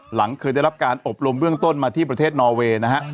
หลังเคยได้รับการอบรมเบื้องต้นมาที่ประเทศนอเวย์นะฮะ